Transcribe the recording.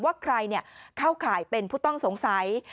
ว่าใครเข้าข่ายเป็นผู้ต้องสงสัย